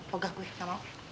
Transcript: pogah gue gak mau